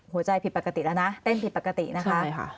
หัวใจผิดปกติแล้วนะเต้นผิดปกตินะคะถูกยังไหมคะ